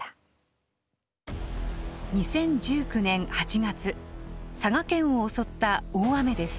２０１９年８月佐賀県を襲った大雨です。